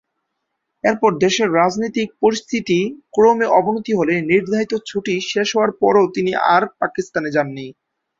এরপর দেশের রাজনৈতিক পরিস্থিতি ক্রমে অবনতি হলে নির্ধারিত ছুটি শেষ হওয়ার পরও তিনি আর পাকিস্তানে যাননি।